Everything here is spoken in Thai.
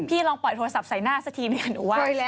พี่ลองปล่อยโทรศัพท์ใส่หน้าสักทีหนูว่า